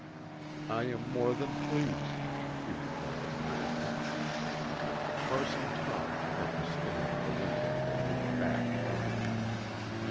"I am more than pleased," she replied gravely. Parson Tom took up his stand at the window with his back turned.